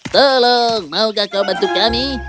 tolong maukah kau bantu kami